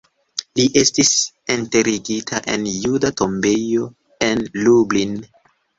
Li estis enterigita en juda tombejo en Lublin.